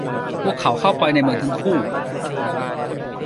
พวกเขาเข้าไปในเมืองทั้งคู่